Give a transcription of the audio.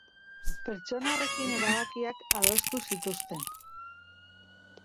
Pertsona horrekin erabakiak adostu zituzten.